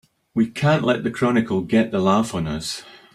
We can't let the Chronicle get the laugh on us!